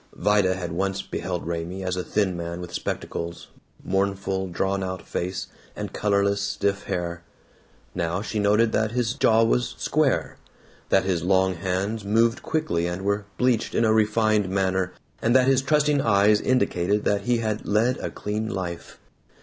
Vida had once beheld Raymie as a thin man with spectacles, mournful drawn out face, and colorless stiff hair. Now she noted that his jaw was square, that his long hands moved quickly and were bleached in a refined manner, and that his trusting eyes indicated that he had "led a clean life."